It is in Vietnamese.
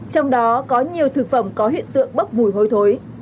trong đó có nhiều thực phẩm có hiện tượng bốc mùi hôi thối